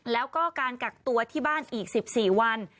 แล้วก็การกักตัวที่บ้านอีก๑๔วัน